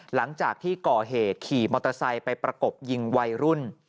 หลังจากที่ก่อเหตุขี่มอเตอร์ไซค์ไปประกบยิงวัยรุ่น